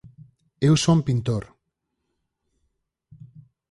Eu son pintor!